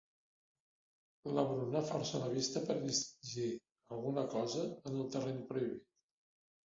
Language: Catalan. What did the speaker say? La Bruna força la vista per distingir alguna cosa en el terreny prohibit.